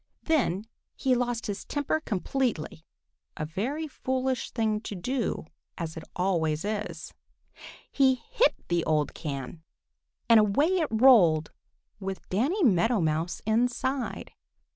Then he lost his temper completely, a very foolish thing to do, as it always is. He hit the old can, and away it rolled with Danny Meadow Mouse inside.